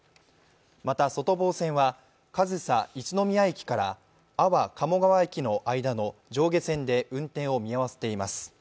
また、外房線は上総一ノ宮駅から安房鴨川駅の間の上下線で運転を見合わせています。